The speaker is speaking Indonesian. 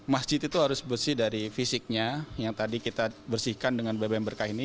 masjid itu harus bersih dari fisiknya yang tadi kita bersihkan dengan bbm berkah ini